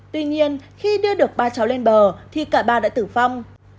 tuy nhiên khi đưa được ba cháu lên bờ thì cả ba đã tử vong